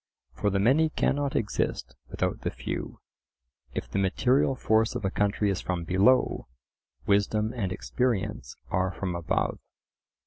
For the many cannot exist without the few, if the material force of a country is from below, wisdom and experience are from above.